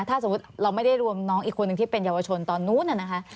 ถ้าสมมุติเราไม่ได้รวมน้องอีกคนนึงที่เป็นเยาวชนตอนนู้นน่ะนะคะ